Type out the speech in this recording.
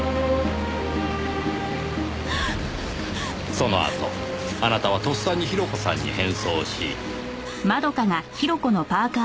そのあとあなたはとっさに広子さんに変装し。